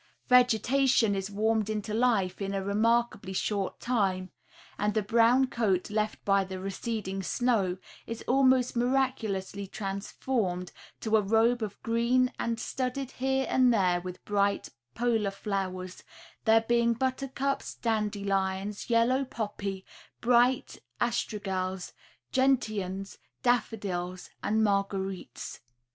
Vegetation is warmed into life in a remarkably short time, and the brown coat left by the receding snow is almost miraculously transformed to a robe of green and studded here and there with bright polar flowers, there being buttercups, dandelions, yellow poppy, bright astragals, gentians, daffodils and marguerites.